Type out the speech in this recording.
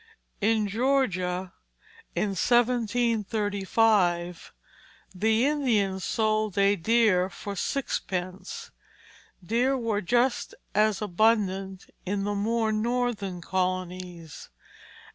In Georgia, in 1735, the Indians sold a deer for sixpence. Deer were just as abundant in the more Northern colonies.